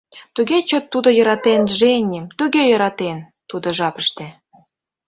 Туге чот тудо йӧратен Дженним, туге йӧратен... тудо жапыште.